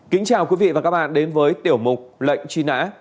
kính chào quý vị và các bạn đến với tiểu mục lệnh truy nã